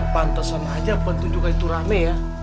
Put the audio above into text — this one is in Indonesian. pantesan aja pertunjukan itu rame ya